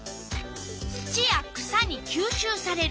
「土や草にきゅうしゅうされる」。